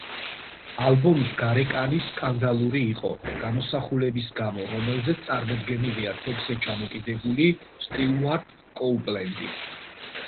ალბომის გარეკანი სკანდალური იყო, გამოსახულების გამო, რომელზეც წარმოდგენილია თოკზე ჩამოკიდებული სტიუარტ კოუპლენდი.